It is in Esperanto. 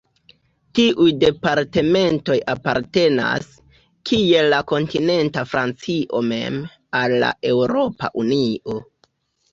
Tiuj departementoj apartenas, kiel la kontinenta Francio mem, al la Eŭropa Unio.